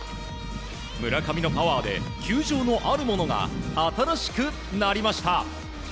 村上のパワーで球場のあるものが新しくなりました。